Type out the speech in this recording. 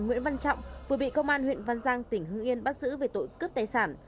nguyễn văn trọng vừa bị công an huyện văn giang tỉnh hưng yên bắt giữ về tội cướp tài sản